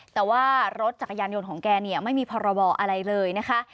แต่ว่ารถจักรยานยนต์ของแกเนี่ยไม่มีพรบอะไรเลยนะคะ